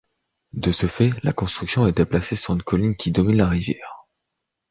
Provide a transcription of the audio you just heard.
De ce fait, la construction est déplacée sur une colline qui domine la rivière.